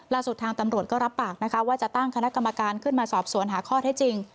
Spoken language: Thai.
ทางตำรวจก็รับปากนะคะว่าจะตั้งคณะกรรมการขึ้นมาสอบสวนหาข้อเท็จจริง